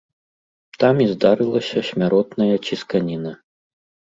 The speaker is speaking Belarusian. Там і здарылася смяротная цісканіна.